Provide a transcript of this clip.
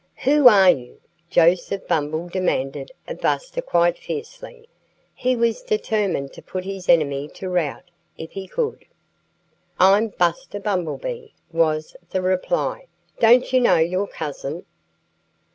"Who are you?" Joseph Bumble demanded of Buster quite fiercely. He was determined to put his enemy to rout if he could. "I'm Buster Bumblebee!" was the reply. "Don't you know your cousin?"